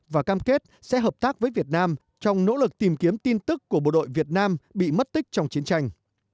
và cam kết sẽ hợp tác với việt nam trong nỗ lực tìm kiếm tin tức của bộ đội việt nam bị mất tích trong chiến tranh